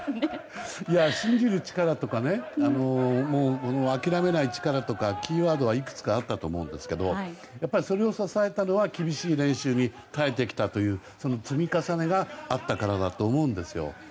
信じる力とかね諦めない力とかキーワードはいくつかあったと思うんですけどそれを支えたのは厳しい練習に耐えてきたというその積み重ねがあったからだと思うんですよ。